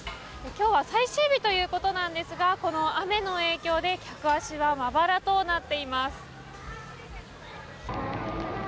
今日は最終日ということなんですがこの雨の影響で客足は、まばらとなっています。